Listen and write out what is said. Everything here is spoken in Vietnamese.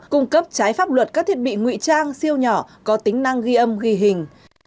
cung cấp trái pháp luật các thiết bị ngụy trang siêu nhỏ có tính năng ghi âm ghi hình